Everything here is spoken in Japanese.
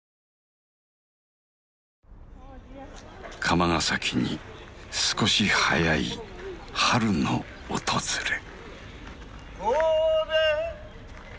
釜ヶ崎に少し早い春の訪れ。